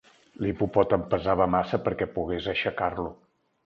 L'hipopòtam pesava massa perquè pogués aixecar-lo.